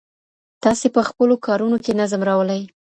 تاسي په خپلو کارونو کي نظم راولئ.